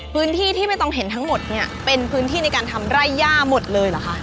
พื้นที่ที่ไม่ต้องเห็นทั้งหมดเนี่ยเป็นพื้นที่ในการทำไร่ย่าหมดเลยเหรอคะ